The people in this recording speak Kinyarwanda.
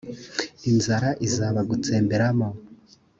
inzara izabagutsemberamo